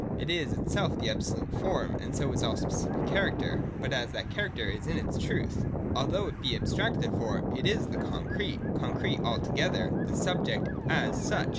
It is itself the absolute form, and so is all specific character, but as that character is in its truth. Although it be abstract therefore, it is the concrete, con crete altogether, the subject as such.